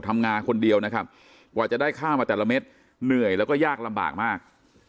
ทำงานคนเดียวนะครับกว่าจะได้ข้าวมาแต่ละเม็ดเหนื่อยแล้วก็ยากลำบากมาก